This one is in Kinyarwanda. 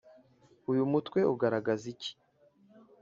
Uyu mutwe ugaragaza iki